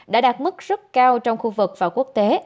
đã đạt mức rất cao trong khu vực và quốc tế